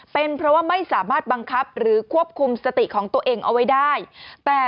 เป็นเพราะว่าไม่สามารถบังคับหรือควบคุมสติของตัวเองเอาไว้ได้แต่